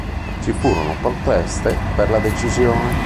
Ci furono proteste per la decisione.